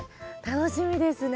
楽しみですね。